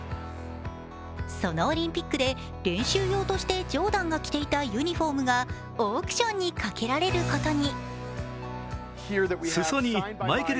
そのオリンピックで練習用としてジョーダンが着ていたユニフォームがオークションにかけられることに。